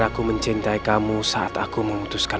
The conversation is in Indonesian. aku mencintai kamu saat aku memutuskan